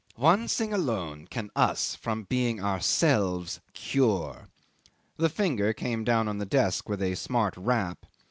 One thing alone can us from being ourselves cure!" The finger came down on the desk with a smart rap.